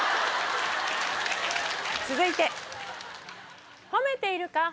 続いて。